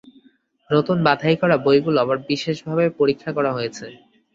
নতুন বাঁধাই করা বইগুলো আবার বিশেষ ভাবে পরীক্ষা করা হয়েছে।